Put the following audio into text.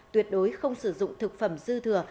tuyệt đối không sử dụng thực phẩm dư thừa